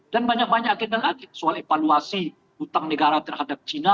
dan banyak banyak akibat akibat soal evaluasi hutang negara terhadap cina